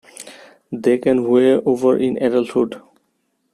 They can weigh over in adulthood.